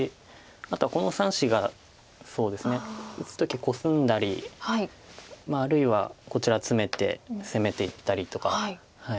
あとはこの３子が打つ時コスんだりあるいはこちらツメて攻めていったりとか。